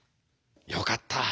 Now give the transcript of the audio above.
よかった。